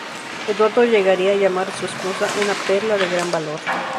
Eduardo llegaría a llamar a su esposa ""una perla de gran valor"".